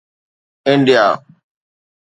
India